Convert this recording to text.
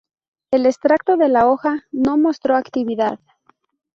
El extracto de la hoja no mostró actividad.